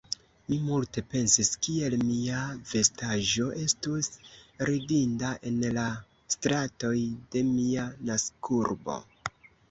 Mi multe pensis, kiel mia vestaĵo estus ridinda en la stratoj de mia naskurbo.